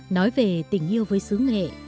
nói về tình yêu với sứ nghệ